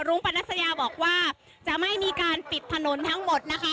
รุ้งปานัสยาบอกว่าจะไม่มีการปิดผนทั้งหมดนะคะ